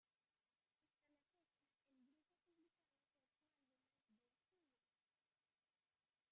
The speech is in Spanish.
Hasta la fecha el grupo ha publicado ocho álbumes de estudio.